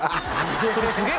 それすげえ